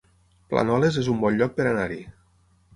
Planoles es un bon lloc per anar-hi